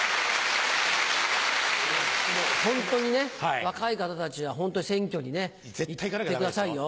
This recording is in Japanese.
ホントにね若い方たちはホント選挙に行ってくださいよ。